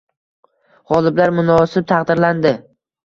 G‘oliblar munosib taqdirlanding